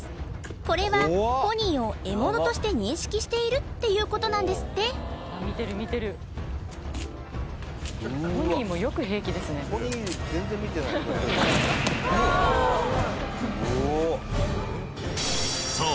これはポニーを獲物として認識しているっていうことなんですってさあ